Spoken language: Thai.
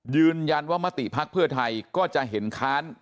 ยืนยันว่ามติภักดิ์เพื่อไทยก็จะเห็นค้าน